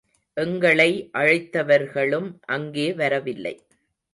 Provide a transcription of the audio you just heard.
எங்களை அழைத்தவர்களும் அங்கே வரவில்லை.